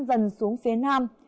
dần xuống phía nam